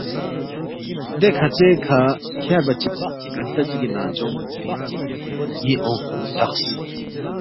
دے کھژے کھہ فیاربا چِک گھنٹہ چِگی ننگجونگ پِنگ نُو ن٘ی اونگ پو دقس